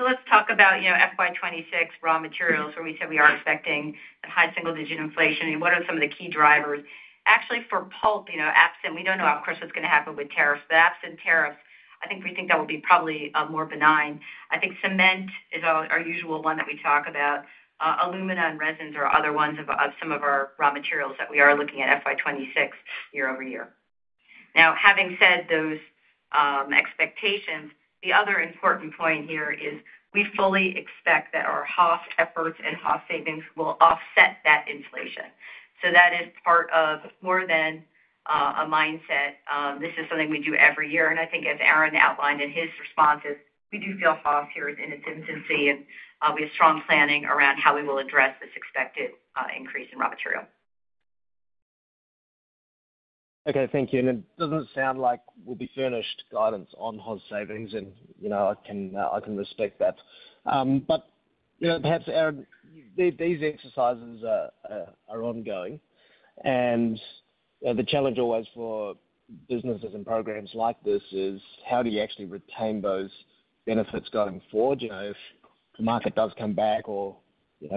Yeah. So let's talk about FY 2026 raw materials, where we said we are expecting high single-digit inflation, and what are some of the key drivers? Actually, for pulp, we don't know, of course, what's going to happen with tariffs. But absent tariffs, I think we think that will be probably more benign. I think cement is our usual one that we talk about. Alumina and resins are other ones of some of our raw materials that we are looking at FY 2026 year-over-year. Now, having said those expectations, the other important point here is we fully expect that our HOS efforts and HOS savings will offset that inflation. So that is part of more than a mindset. This is something we do every year. And I think, as Aaron outlined in his responses, we do feel HOS here is in its infancy, and we have strong planning around how we will address this expected increase in raw material. Okay. Thank you. And it doesn't sound like we'll be finished. Guidance on HOS savings, and I can respect that. But perhaps, Aaron, these exercises are ongoing. And the challenge always for businesses and programs like this is how do you actually retain those benefits going forward? If the market does come back or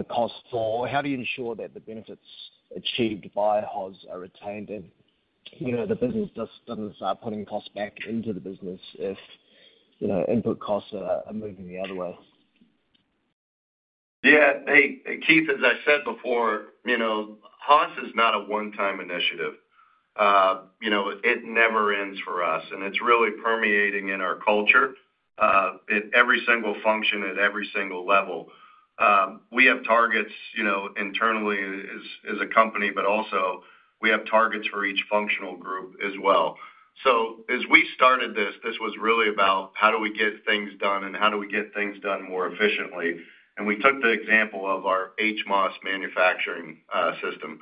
costs fall, how do you ensure that the benefits achieved by HOS are retained? And the business doesn't start putting costs back into the business if input costs are moving the other way. Yeah. Keith, as I said before, HOS is not a one-time initiative. It never ends for us. And it's really permeating in our culture at every single function, at every single level. We have targets internally as a company, but also we have targets for each functional group as well. So as we started this, this was really about how do we get things done and how do we get things done more efficiently? And we took the example of our HMOS manufacturing system.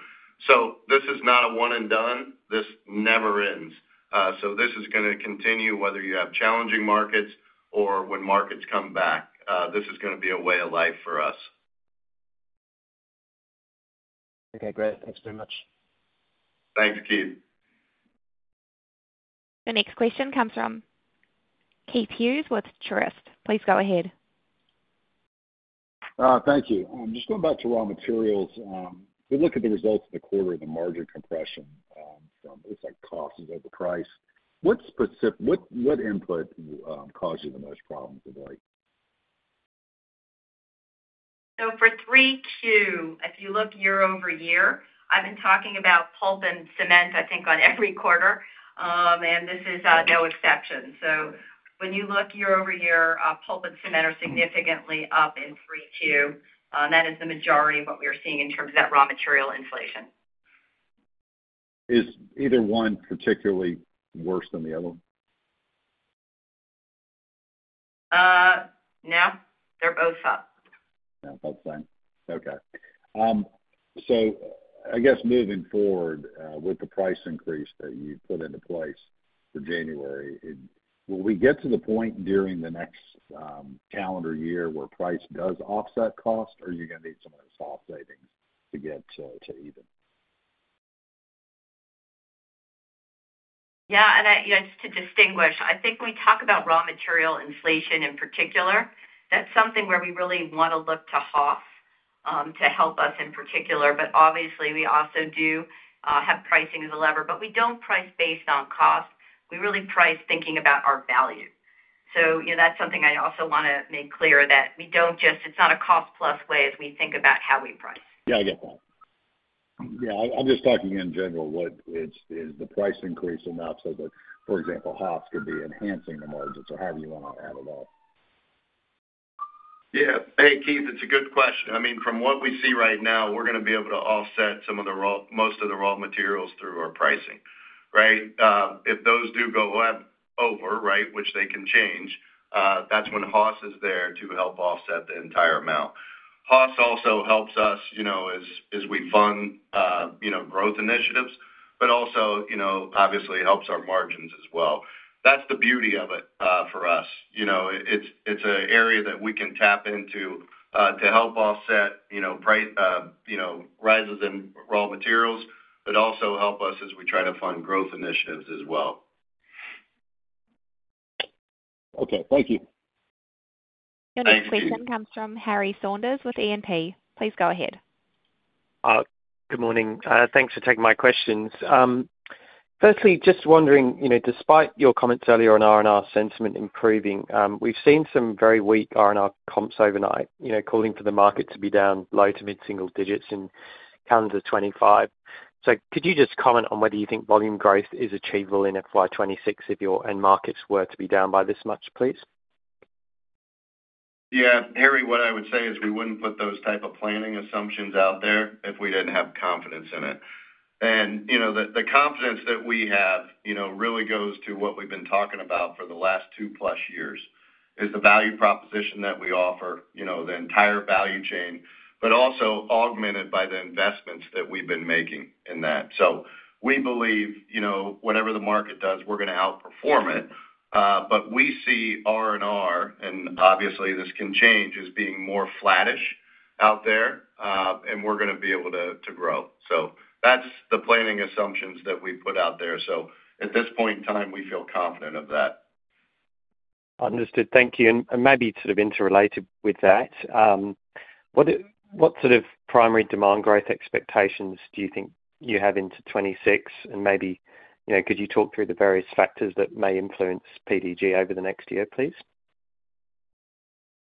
So this is not a one-and-done. This never ends. So this is going to continue whether you have challenging markets or when markets come back. This is going to be a way of life for us. Okay. Great. Thanks very much. Thanks, Keith. Your next question comes from Keith Hughes with Truist. Please go ahead. Thank you. Just going back to raw materials, we look at the results of the quarter of the margin compression from, it looks like, costs over price. What input caused you the most problems of late? So for 3Q, if you look year-over-year, I've been talking about pulp and cement, I think, on every quarter, and this is no exception. So when you look year-over-year, pulp and cement are significantly up in 3Q. That is the majority of what we are seeing in terms of that raw material inflation. Is either one particularly worse than the other one? No. They're both up. Yeah. Both same. Okay. So I guess moving forward with the price increase that you put into place for January, will we get to the point during the next calendar year where price does offset costs, or are you going to need some of those HOS savings to get to even? Yeah. And just to distinguish, I think when we talk about raw material inflation in particular, that's something where we really want to look to HOS to help us in particular. But obviously, we also do have pricing as a lever, but we don't price based on cost. We really price thinking about our value. So that's something I also want to make clear that we don't just. It's not a cost-plus way as we think about how we price. Yeah. I get that. Yeah. I'm just talking in general. Is the price increase enough so that, for example, HOS could be enhancing the margins or however you want to add it up? Yeah. Hey, Keith, it's a good question. I mean, from what we see right now, we're going to be able to offset most of the raw materials through our pricing, right? If those do go up over, right, which they can change, that's when HOS is there to help offset the entire amount. HOS also helps us as we fund growth initiatives, but also obviously helps our margins as well. That's the beauty of it for us. It's an area that we can tap into to help offset rises in raw materials, but also help us as we try to fund growth initiatives as well. Okay. Thank you. Your next question comes from Harry Saunders with E&P. Please go ahead. Good morning. Thanks for taking my questions. Firstly, just wondering, despite your comments earlier on R&R sentiment improving, we've seen some very weak R&R comps overnight, calling for the market to be down low to mid-single digits in calendar 2025. So could you just comment on whether you think volume growth is achievable in FY 2026 if your end markets were to be down by this much, please? Yeah. Harry, what I would say is we wouldn't put those type of planning assumptions out there if we didn't have confidence in it. And the confidence that we have really goes to what we've been talking about for the last two-plus years, is the value proposition that we offer, the entire value chain, but also augmented by the investments that we've been making in that. So we believe whatever the market does, we're going to outperform it. But we see R&R, and obviously this can change, as being more flattish out there, and we're going to be able to grow. So that's the planning assumptions that we put out there. So at this point in time, we feel confident of that. Understood. Thank you. And maybe sort of interrelated with that, what sort of primary demand growth expectations do you think you have into 2026? And maybe could you talk through the various factors that may influence PDG over the next year, please?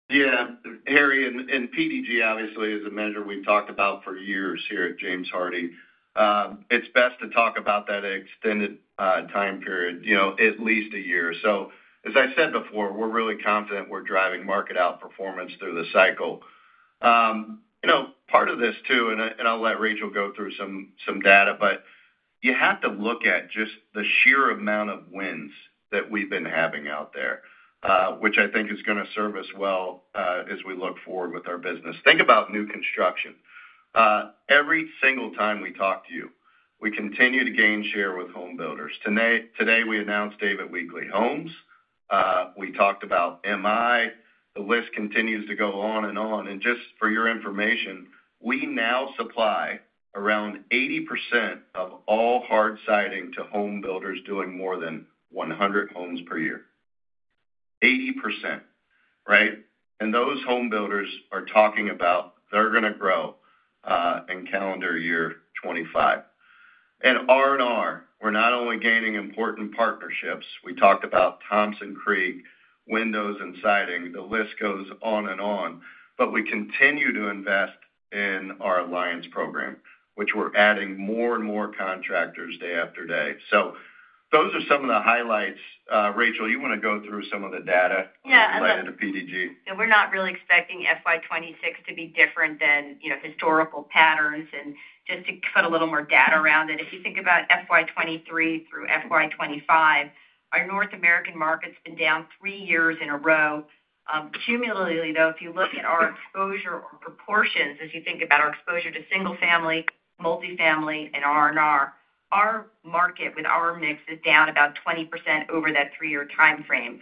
Yeah. Harry, and PDG obviously is a measure we've talked about for years here at James Hardie. It's best to talk about that extended time period, at least a year. So as I said before, we're really confident we're driving market outperformance through the cycle. Part of this too, and I'll let Rachel go through some data, but you have to look at just the sheer amount of wins that we've been having out there, which I think is going to serve us well as we look forward with our business. Think about new construction. Every single time we talk to you, we continue to gain share with homebuilders. Today, we announced David Weekley Homes. We talked about M/I. The list continues to go on and on. And just for your information, we now supply around 80% of all Hardie siding to homebuilders doing more than 100 homes per year. 80%, right? And those homebuilders are talking about they're going to grow in calendar year 2025. And R&R, we're not only gaining important partnerships. We talked about Thompson Creek Windows and Siding. The list goes on and on. But we continue to invest in our alliance program, which we're adding more and more contractors day after day. So those are some of the highlights. Rachel, you want to go through some of the data related to PDG? Yeah. We're not really expecting FY 2026 to be different than historical patterns and just to put a little more data around it. If you think about FY 2023 through FY 2025, our North American market's been down three years in a row. Cumulatively, though, if you look at our exposure or proportions, as you think about our exposure to single-family, multi-family, and R&R, our market with our mix is down about 20% over that three-year timeframe.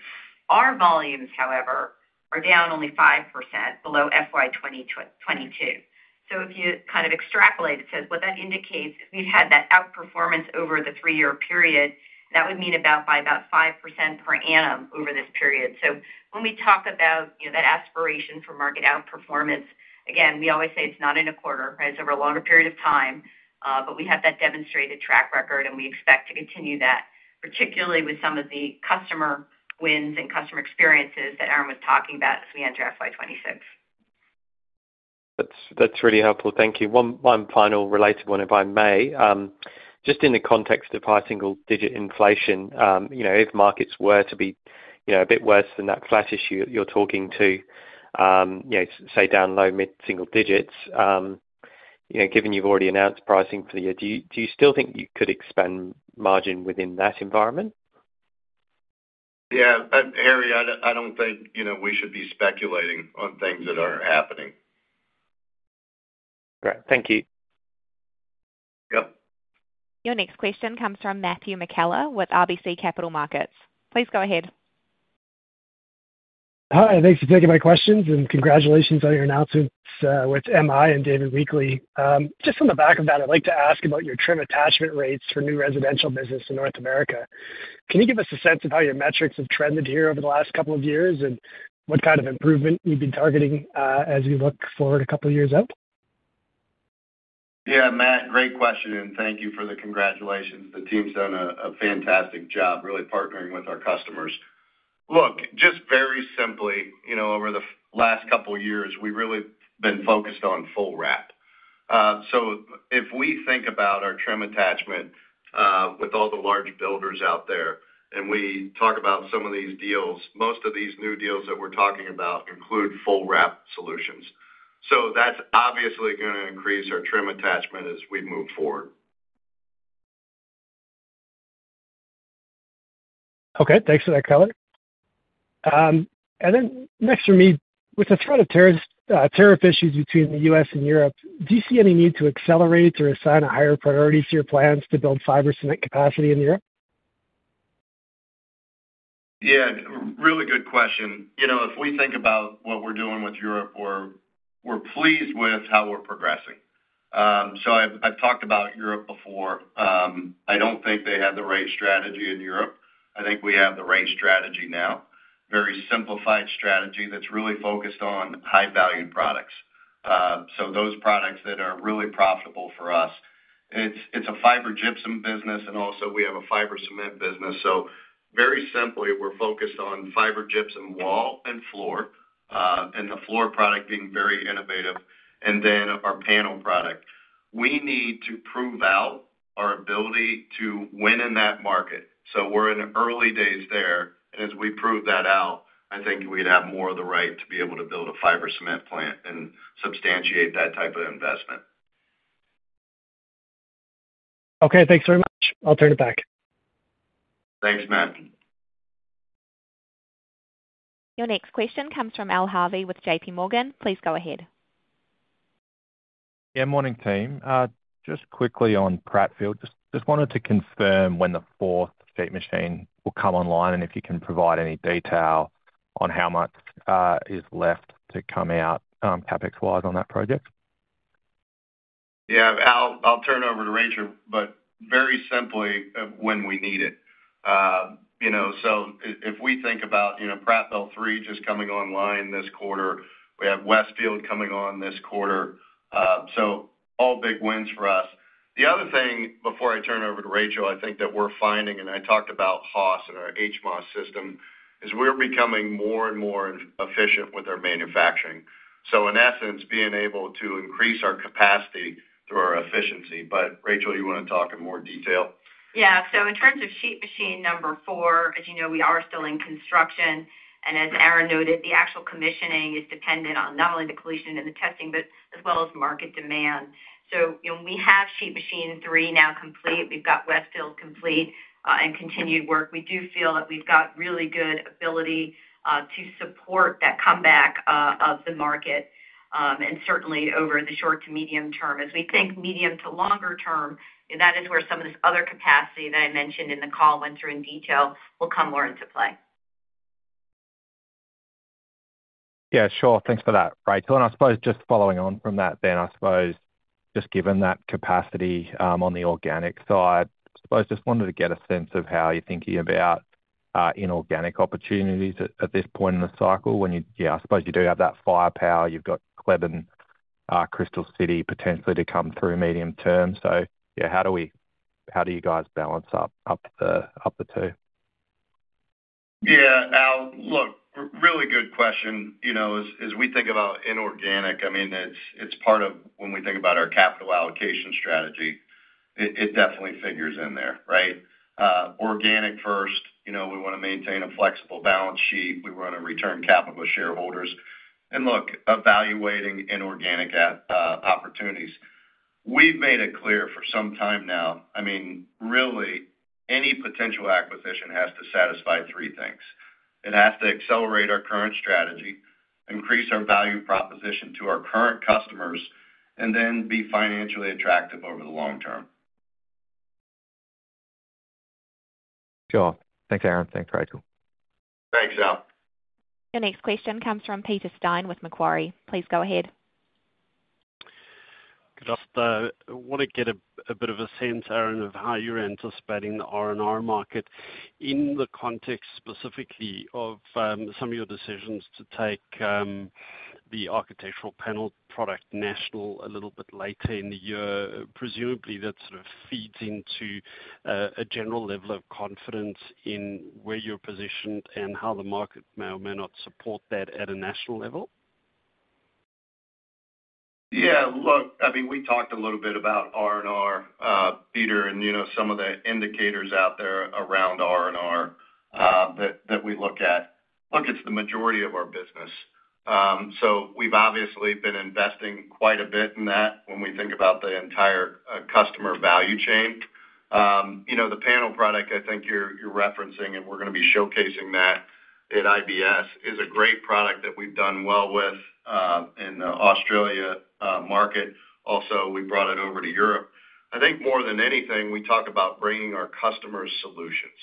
Our volumes, however, are down only 5% below FY 2022. So if you kind of extrapolate it, what that indicates is we've had that outperformance over the three-year period. That would mean by about 5% per annum over this period. So when we talk about that aspiration for market outperformance, again, we always say it's not in a quarter, it's over a longer period of time, but we have that demonstrated track record and we expect to continue that, particularly with some of the customer wins and customer experiences that Aaron was talking about as we enter FY 2026. That's really helpful. Thank you. One final related one, if I may. Just in the context of high single-digit inflation, if markets were to be a bit worse than that flat issue that you're talking to, say, down low mid-single digits, given you've already announced pricing for the year, do you still think you could expand margin within that environment? Yeah. Harry, I don't think we should be speculating on things that are happening. Great. Thank you. Yep. Your next question comes from Matthew McKellar with RBC Capital Markets. Please go ahead. Hi. Thanks for taking my questions and congratulations on your announcements with M/I and David Weekley. Just on the back of that, I'd like to ask about your trim attachment rates for new residential business in North America. Can you give us a sense of how your metrics have trended here over the last couple of years and what kind of improvement you've been targeting as we look forward a couple of years out? Yeah. Matt, great question. And thank you for the congratulations. The team's done a fantastic job really partnering with our customers. Look, just very simply, over the last couple of years, we've really been focused on full wrap. So if we think about our trim attachment with all the large builders out there and we talk about some of these deals, most of these new deals that we're talking about include full wrap solutions. So that's obviously going to increase our trim attachment as we move forward. Okay. Thanks for that color. And then next for me, with the threat of tariff issues between the U.S. and Europe, do you see any need to accelerate or assign a higher priority to your plans to build fiber cement capacity in Europe? Yeah. Really good question. If we think about what we're doing with Europe, we're pleased with how we're progressing. So I've talked about Europe before. I don't think they have the right strategy in Europe. I think we have the right strategy now, a very simplified strategy that's really focused on high-value products. So those products that are really profitable for us, it's a fiber gypsum business, and also we have a fiber cement business. So very simply, we're focused on fiber gypsum wall and floor, and the floor product being very innovative, and then our panel product. We need to prove out our ability to win in that market. So we're in the early days there. And as we prove that out, I think we'd have more of the right to be able to build a fiber cement plant and substantiate that type of investment. Okay. Thanks very much. I'll turn it back. Thanks, Matt. Your next question comes from Al Harvey with JPMorgan. Please go ahead. Yeah. Morning, team. Just quickly on Prattville. Just wanted to confirm when the fourth Sheet Machine will come online and if you can provide any detail on how much is left to come out CapEx-wise on that project. Yeah. I'll turn it over to Rachel, but very simply, when we need it. If we think about Prattville 3 just coming online this quarter, we have Westfield coming on this quarter. So all big wins for us. The other thing before I turn it over to Rachel, I think that we're finding, and I talked about HOS and our HMOS system, is we're becoming more and more efficient with our manufacturing. So in essence, being able to increase our capacity through our efficiency. But Rachel, you want to talk in more detail? Yeah. In terms of Sheet Machine 4, as you know, we are still in construction. As Aaron noted, the actual commissioning is dependent on not only the installation and the testing, but as well as market demand. So we have Sheet Machine 3 now complete. We've got Westfield complete and continued work. We do feel that we've got really good ability to support that comeback of the market. And certainly over the short to medium term, as we think medium to longer term, that is where some of this other capacity that I mentioned in the call went through in detail will come more into play. Yeah. Sure. Thanks for that, Rachel. I suppose just following on from that then, I suppose, just given that capacity on the organic side, I suppose just wanted to get a sense of how you're thinking about inorganic opportunities at this point in the cycle. Yeah. I suppose you do have that firepower. You've got Cleburne, Crystal City potentially to come through medium term. So yeah, how do you guys balance up the two? Yeah. Look, really good question. As we think about inorganic, I mean, it's part of when we think about our capital allocation strategy. It definitely figures in there, right? Organic first. We want to maintain a flexible balance sheet. We want to return capital to shareholders. And look, evaluating inorganic opportunities. We've made it clear for some time now. I mean, really, any potential acquisition has to satisfy three things. It has to accelerate our current strategy, increase our value proposition to our current customers, and then be financially attractive over the long term. Sure. Thanks, Aaron. Thanks, Rachel. Thanks, Al. Your next question comes from Peter Steyn with Macquarie. Please go ahead. Good. Just want to get a bit of a sense, Aaron, of how you're anticipating the R&R market in the context specifically of some of your decisions to take the architectural panel product national a little bit later in the year. Presumably, that sort of feeds into a general level of confidence in where you're positioned and how the market may or may not support that at a national level. Yeah. Look, I mean, we talked a little bit about R&R, Peter, and some of the indicators out there around R&R that we look at. Look, it's the majority of our business. So we've obviously been investing quite a bit in that when we think about the entire customer value chain. The panel product I think you're referencing, and we're going to be showcasing that at IBS, is a great product that we've done well with in the Australia market. Also, we brought it over to Europe. I think more than anything, we talk about bringing our customers solutions.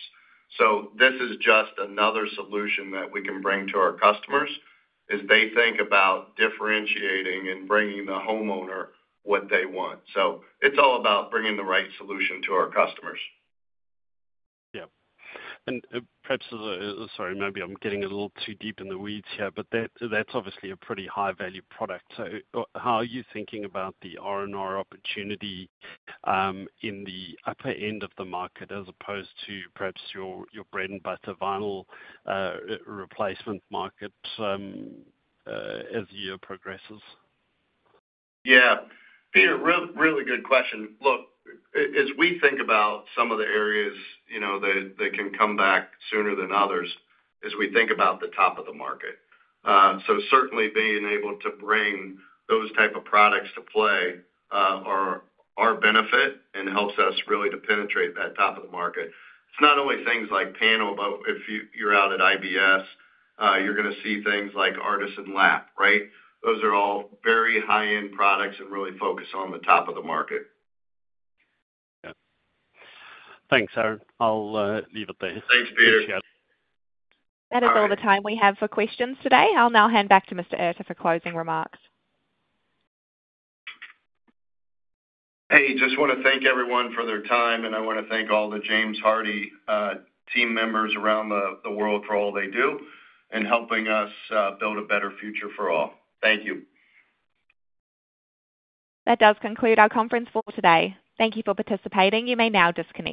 So this is just another solution that we can bring to our customers as they think about differentiating and bringing the homeowner what they want. So it's all about bringing the right solution to our customers. Yep. And perhaps sorry, maybe I'm getting a little too deep in the weeds here, but that's obviously a pretty high-value product. So how are you thinking about the R&R opportunity in the upper end of the market as opposed to perhaps your bread-and-butter vinyl replacement market as the year progresses? Yeah. Peter, really good question. Look, as we think about some of the areas that can come back sooner than others, as we think about the top of the market. So certainly being able to bring those types of products to our benefit and helps us really to penetrate that top of the market. It's not only things like panel, but if you're out at IBS, you're going to see things like Artisan Lap, right? Those are all very high-end products and really focus on the top of the market. Yeah. Thanks, Aaron. I'll leave it there. Thanks, Peter. That is all the time we have for questions today. I'll now hand back to Mr. Erter for closing remarks. Hey, just want to thank everyone for their time, and I want to thank all the James Hardie team members around the world for all they do and helping us build a better future for all. Thank you. That does conclude our conference for today. Thank you for participating. You may now disconnect.